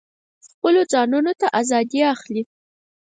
خپلو ځانونو ته آزادي اخلي.